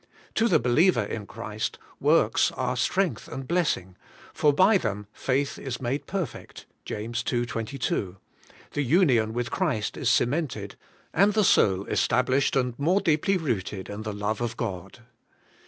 To the be liever in Christ, works are strength and blessing, for by them faith is made perfect {Jas. ii. 22)^ the union with Christ is cemented, and the soul estab OBEYING HIS COMMANDMENTS. 179 lished and more deeply rooted in the love of God.